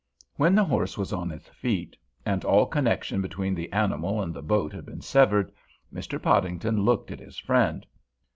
When the horse was on his feet, and all connection between the animal and the boat had been severed, Mr. Podington looked at his friend.